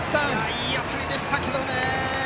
いい当たりでしたけどね。